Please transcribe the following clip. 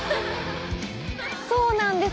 そうなんです。